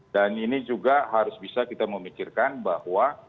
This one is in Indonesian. dan ini juga harus bisa kita memikirkan bahwa